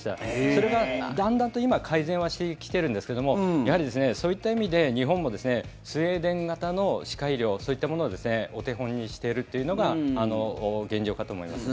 それが、だんだんと今改善はしてきてるんですけどもそういった意味で日本もスウェーデン型の歯科医療そういったものをお手本にしているというのが現状かと思います。